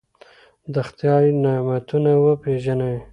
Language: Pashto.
د خدای نعمتونه وپېژنئ.